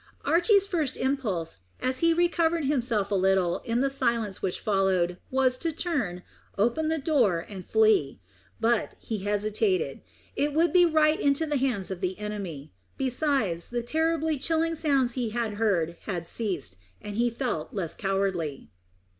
Archy's first impulse, as he recovered himself a little in the silence which followed, was to turn, open the door, and flee. But he hesitated. It would be right into the hands of the enemy. Besides, the terribly chilling sounds he had heard had ceased, and he felt less cowardly.